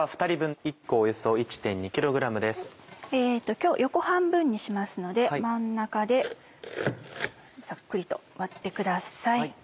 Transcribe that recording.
今日横半分にしますので真ん中でざっくりと割ってください。